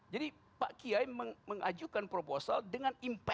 jadi pak kiai mengajukan proposal dengan impact